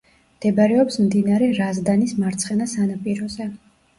მდებარეობს მდინარე რაზდანის მარცხენა სანაპიროზე.